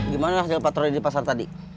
gimana hasil patroli di pasar tadi